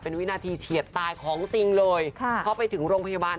เป็นวินาทีเฉียดตายของจริงเลยค่ะพอไปถึงโรงพยาบาล